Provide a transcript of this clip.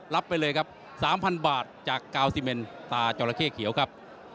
รับไปเลยครับสามพันบาทจากเกาสิเมนตาจราเข้เขียวครับ